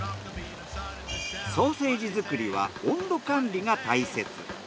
ソーセージ作りは温度管理が大切。